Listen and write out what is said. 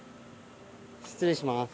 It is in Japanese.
失礼します。